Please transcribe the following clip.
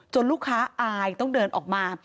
ลูกค้าอายต้องเดินออกมา